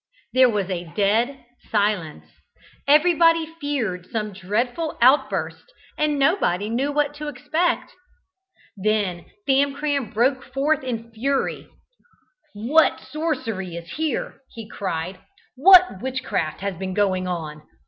There was a dead silence. Everybody feared some dreadful outburst, and nobody knew what to expect. Then Famcram broke forth in fury "What sorcery is here?" he cried. "What witchcraft has been going on?